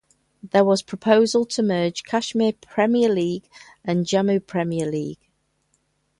There was proposal to merge Kashmir Premier League and Jammu Premier League.